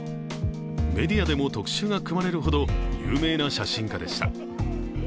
メディアでも特集が組まれるほど有名な写真家でした。